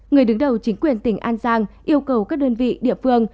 người đứng đầu chính quyền tỉnh an giang yêu cầu các đơn vị địa phương